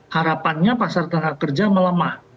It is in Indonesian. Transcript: harapannya pasar tenaga kerja melemah